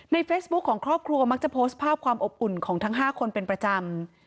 เฟซบุ๊คของครอบครัวมักจะโพสต์ภาพความอบอุ่นของทั้ง๕คนเป็นประจำ